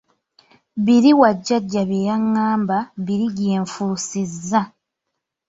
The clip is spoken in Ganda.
Biri wa jjajja bwe yangamba, biri gye nfusizza.